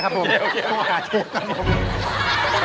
เชฟเอามาเล่น